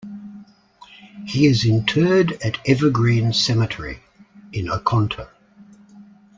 He is interred at Evergreen Cemetery in Oconto.